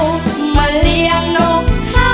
วิ่งเลี้ยงน้องเจ้า